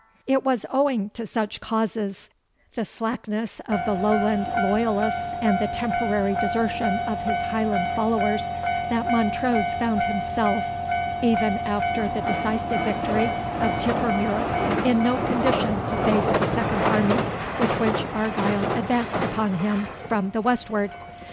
It was owing to such causes, the slackness of the Lowland loyalists and the temporary desertion of his Highland followers, that Montrose found himself, even after the decisive victory of Tippermuir, in no condition to face the second army with which Argyle advanced upon him from the westward.